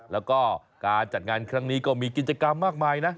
แล้วก็การจัดงานครั้งนี้ก็มีกิจกรรมมากมายนะ